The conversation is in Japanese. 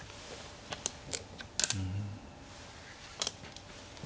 うん。